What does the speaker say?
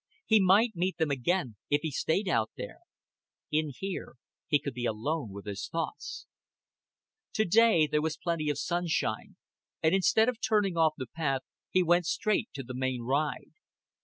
He might meet them again if he stayed out there. In here he could be alone with his thoughts. To day there was plenty of sunlight, and instead of turning off the path he went straight on to the main ride.